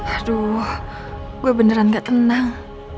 aduh gue beneran gak tenang